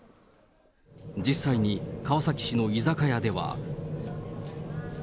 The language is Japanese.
実際に川崎市の居酒屋では。